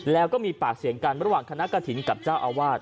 แล้วก็มีปากเสียงกันระหว่างคณะกระถิ่นกับเจ้าอาวาส